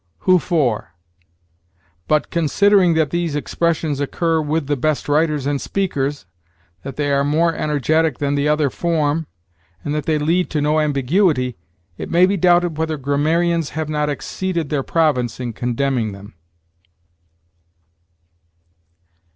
'who for?' But, considering that these expressions occur with the best writers and speakers, that they are more energetic than the other form, and that they lead to no ambiguity, it may be doubted whether grammarians have not exceeded their province in condemning them."